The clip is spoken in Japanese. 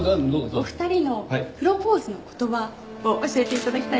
お二人のプロポーズの言葉を教えて頂きたい。